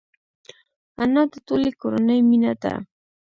انا د ټولې کورنۍ مینه ده